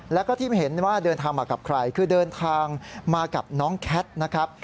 แล้วก็ที่เห็นว่าเดินทางมากับใครคือเดินทางมากับน้องแคทนะครับ